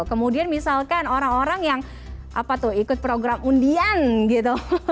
kemudian misalkan orang orang yang apa tuh ikut program undian gitu